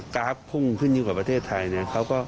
กราฟพุ่งขึ้นยังกว่าประเทศไทย